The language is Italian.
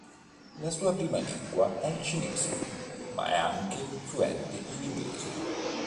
La sua prima lingua è il cinese ma è anche fluente in inglese.